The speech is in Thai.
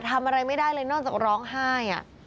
ทำอะไรไม่ได้เลยนอกจากร้องไห้